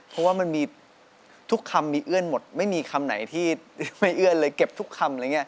เพราะว่ามันมีทุกคำมีเอื้อนหมดไม่มีคำไหนที่ไม่เอื้อนเลยเก็บทุกคำอะไรอย่างนี้